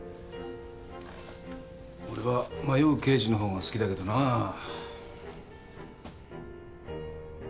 俺は迷う刑事の方が好きだけどなぁ。